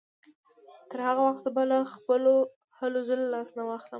تر هغه وخته به له خپلو هلو ځلو لاس وانهخلم.